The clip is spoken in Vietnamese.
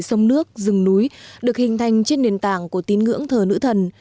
sông nước rừng núi được hình thành trên nền tảng của tín ngưỡng thờ nữ thần